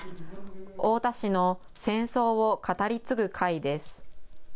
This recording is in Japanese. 太田市の戦争を語り継ぐ会です。